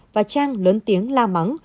và trang lớn tiếng la mắng